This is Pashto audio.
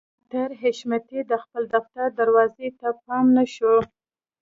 ډاکټر حشمتي د خپل دفتر دروازې ته پام نه شو